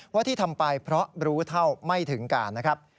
ที่ทำไปเพราะรู้เท่าไม่ถึงการนะครับ